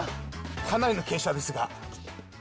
かなりの傾斜ですが。